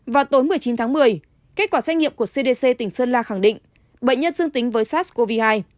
vào tối một mươi chín tháng một mươi kết quả xét nghiệm của cdc tỉnh sơn la khẳng định bệnh nhân dương tính với sars cov hai